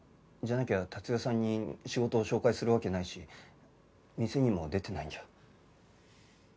じゃなきゃ達代さんに仕事を紹介するわけないし店にも出てないんじゃ。